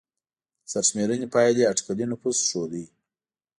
د سرشمېرنې پایلې اټکلي نفوس ښوده.